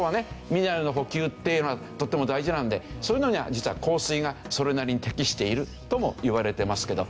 ミネラルの補給っていうのはとっても大事なのでそういうのには実は硬水がそれなりに適しているともいわれてますけど。